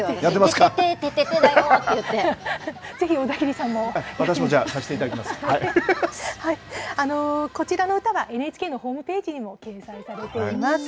ててて、てててだよって言って私もじゃあ、させていただきこちらの歌は、ＮＨＫのホームページにも掲載されています。